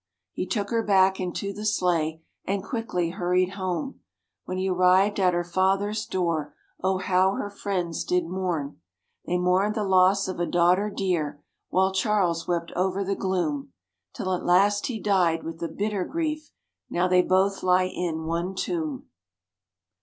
He took her back into the sleigh and quickly hurried home; When he arrived at her father's door, oh, how her friends did mourn; They mourned the loss of a daughter dear, while Charles wept over the gloom, Till at last he died with the bitter grief, now they both lie in one tomb.